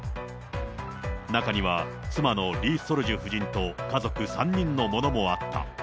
中には、妻のリ・ソルジュ夫人と家族３人のものもあった。